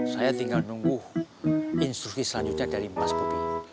saya tinggal nunggu instruksi selanjutnya dari mas bobi